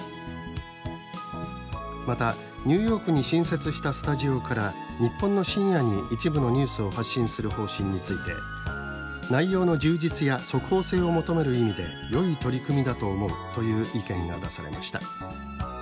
またニューヨークに新設したスタジオから日本の深夜に一部のニュースを発信する方針について「内容の充実や速報性を求める意味でよい取り組みだと思う」という意見が出されました。